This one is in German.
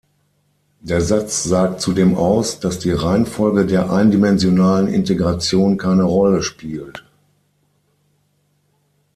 Der Satz sagt zudem aus, dass die Reihenfolge der eindimensionalen Integrationen keine Rolle spielt.